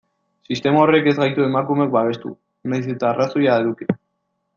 Sistema horrek ez gaitu emakumeok babestu, nahiz eta arrazoia eduki.